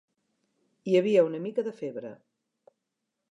Hi havia una mica de febre.